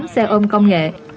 tám xe ôm công nghệ